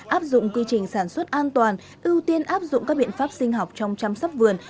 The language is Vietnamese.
áp dụng quy trình sản xuất an toàn ưu tiên áp dụng các biện pháp sinh học trong chăm sóc vườn